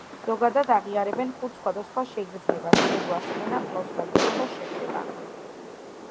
ზოგადად აღიარებენ ხუთ სხვადასხვა შეგრძნებას: ხედვა, სმენა, ყნოსვა, გემო და შეხება.